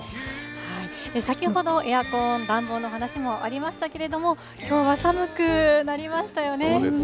先ほど、エアコン、暖房の話もありましたけれども、きょうは寒くなりましたよね。